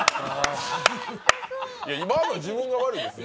今の、自分が悪いですよ。